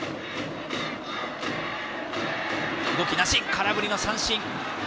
空振りの三振。